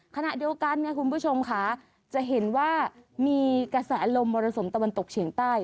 ขณะเดียวกันเนี่ยคุณผู้ชมค่ะจะเห็นว่ามีกระแสลมมรสุมตะวันตกเฉียงใต้